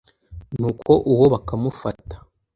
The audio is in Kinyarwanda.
nuko uwo bakamufata